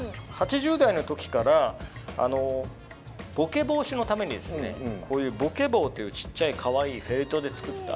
８０代の時からボケ防止のためにこういう「ぼけぼー」というちっちゃいかわいいフェルトで作った。